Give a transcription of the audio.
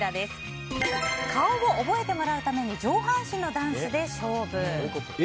顔を覚えてもらうために上半身のダンスで勝負。